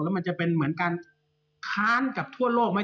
แล้วมันจะเป็นเหมือนการค้านกับทั่วโลกไหม